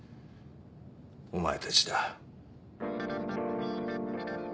お前たちだ。